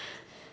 saya sudah salah